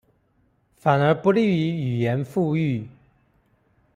反而不利於語言復育